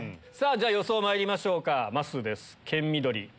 じゃ予想まいりましょうかまっすーです。